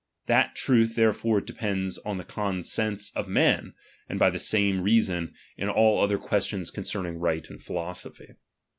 That truth therefore depends on the consents of men, and by the same reason, in all other ques tions conceniing rigid and philosophy.